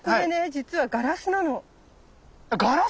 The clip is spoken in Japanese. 実はガラスなの。